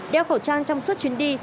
đeo khẩu trang trong suốt chuyến đi